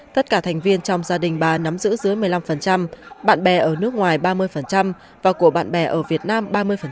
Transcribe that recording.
tất cả thành viên trong gia đình bà nắm giữ dưới một mươi năm bạn bè ở nước ngoài ba mươi và của bạn bè ở việt nam ba mươi